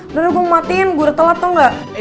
udah udah gue ngumatin gue udah telat tau gak